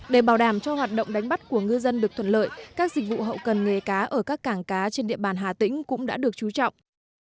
để bảo đảm cho hoạt động đánh bắt của ngư dân được thuận lợi các dịch vụ hậu cần nghề cá ở các cảng cá trên địa bàn hà tĩnh cũng đã được chú trọng